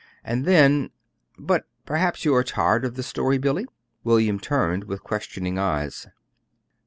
And then but perhaps you are tired of the story, Billy." William turned with questioning eyes.